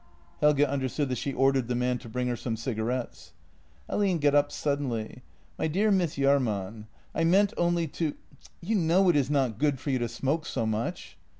" Helge understood that she ordered the man to bring her some cigarettes. Ahlin got up suddenly: "My dear Miss Jahrman— I meant only to ... you know it is not good for you to smoke so much."